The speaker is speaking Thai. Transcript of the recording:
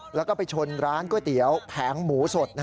แล้วก็ไปชนร้านก๋วยเตี๋ยวแผงหมูสด